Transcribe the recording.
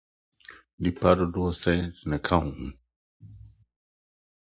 Nnipa dodow ahe na wɔka wo ho?